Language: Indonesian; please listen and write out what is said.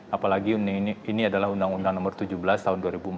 apalagi ini adalah undang undang nomor tujuh belas tahun dua ribu empat belas